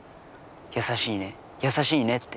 優しいね優しいねって。